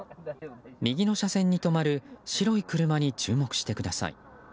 右の車線に止まる白い車に注目してください。